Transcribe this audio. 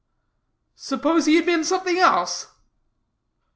"Suppose he had been something else."